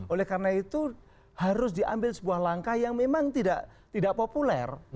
oleh karena itu harus diambil sebuah langkah yang memang tidak populer